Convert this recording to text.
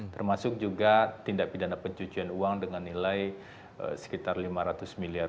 termasuk juga tindak pidana pencucian uang dengan nilai sekitar lima ratus miliar